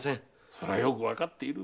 それはよくわかっている。